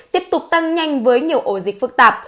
tiếp tục tăng nhanh với nhiều ổ dịch phức tạp